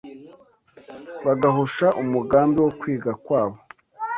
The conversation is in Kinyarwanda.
bagahusha umugambi wo kwiga kwabo